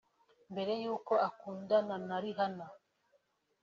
Mbere y’uko akundana na Rihanna